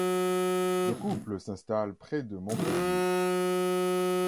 Le couple s'installe près de Montpellier.